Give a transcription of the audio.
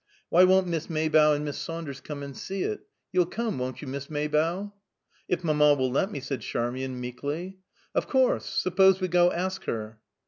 Why won't Miss Maybough and Miss Saunders come and see it? You'll come, won't you, Miss Maybough?" "If mamma will let me," said Charmian, meekly. "Of course! Suppose we go ask her?"